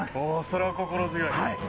それは心強い。